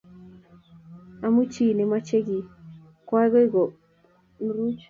Amu chi nemochei kiy ko agoi konguruch